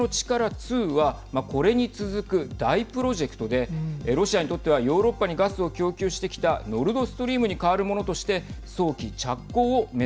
２はこれに続く大プロジェクトでロシアにとってはヨーロッパにガスを供給してきたノルドストリームに代わるものとしてはい。